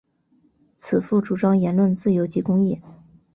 此赋主张言论自由及公义。